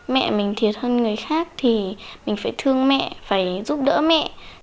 mẹ mình thiệt hơn người khác thì mình phải thương mẹ phải giúp đỡ mẹ